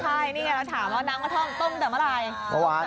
ใช่นี่ละถามว่าน้ำท่อมต้มตั้งเมื่อไหร่